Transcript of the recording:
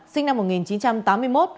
sinh năm hai nghìn một mươi chín